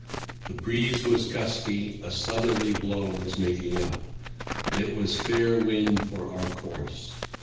The breeze was gusty; a southerly blow was making up. It was fair wind for our course.